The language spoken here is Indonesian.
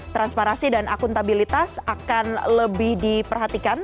transparansi dan akuntabilitas akan lebih diperhatikan